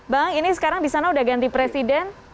jika anda sudah ganti presiden